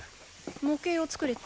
模型を作れって？